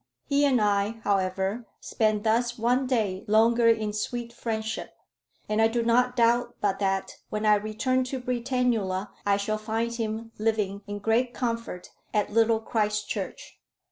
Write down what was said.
He and I, however, spent thus one day longer in sweet friendship; and I do not doubt but that, when I return to Britannula, I shall find him living in great comfort at Little Christchurch.